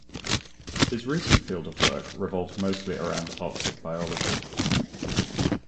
His recent field of work revolves mostly around arctic biology.